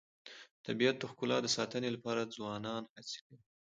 د طبیعت د ښکلا د ساتنې لپاره ځوانان هڅې کوي.